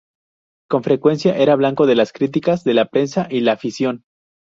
Con frecuencia era blanco de las críticas de la prensa y la afición.